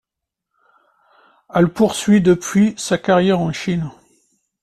Elle poursuit depuis sa carrière en Chine.